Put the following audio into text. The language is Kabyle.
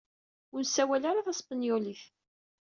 Ur nessawal ara taspenyulit.